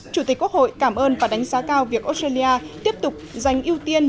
chủ tịch quốc hội cảm ơn và đánh giá cao việc australia tiếp tục dành ưu tiên